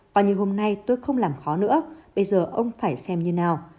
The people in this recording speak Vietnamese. bao nhiêu hôm nay tôi không làm khó nữa bây giờ ông phải xem như nào